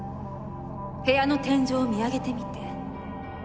部屋の天井を見上げてみて。